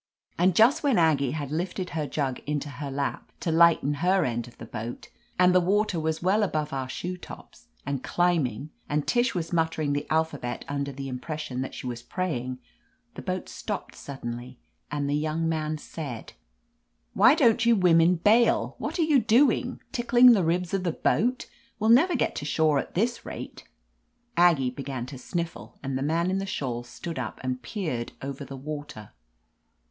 And just when Aggie had lifted her jug into her lap to 314 i J OF LETITIA CARBERRY lighten her end of the boat, and the water was well above our shoe tops, and climbing, and Tish was muttering the alphabet under the im pression that she was praying, the boat stopped suddenly and the yoimg man said : "Why don't you women bail? What are you doing? Tickling the ribs of the boat? We'll never get to shore at this rate !" Aggie began to sniffle, and the man in the shawl stood up and peered over the water.